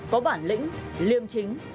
có bản lĩnh liêm chính